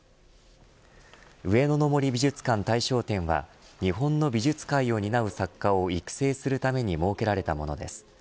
上野の森美術館大賞展は日本の美術界を担う作家を育成するために設けられたものです。